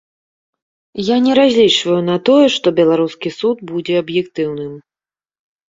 Я не разлічваю на тое, што беларускі суд будзе аб'ектыўным.